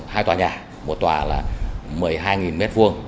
hai tòa nhà một tòa là một mươi hai m hai